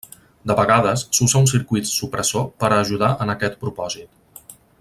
De vegades s'usa un circuit supressor per a ajudar en aquest propòsit.